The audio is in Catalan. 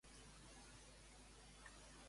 Estava tenint pensaments vertaders?